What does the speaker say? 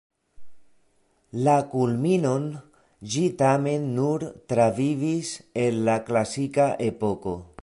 La kulminon ĝi tamen nur travivis en la klasika Epoko.